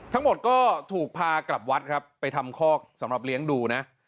ทั้งหมดก็ถูกพากลับวัดครับไปทำคอกสำหรับเลี้ยงดูนะ